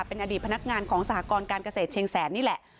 เป็นอดีตพนักงานของสหกรการเกษตรเชียงแสนนี่แหละ